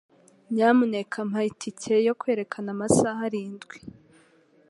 Nyamuneka mpa itike yo kwerekana amasaha arindwi